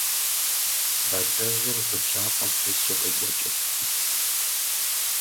Бадзэжьыр вы бжьакъуэм тесу къекӀуэкӀырт.